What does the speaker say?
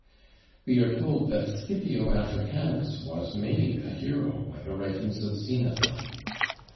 We are told that Scipio Africanus was made a hero by the writings of Xenophon.